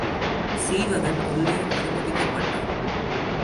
சீவகன் உள்ளே அனுமதிக்கப்பட்டான்.